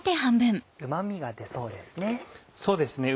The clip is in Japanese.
うま味が出そうですね。